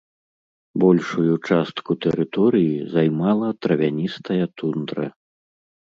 Большую частку тэрыторыі займала травяністая тундра.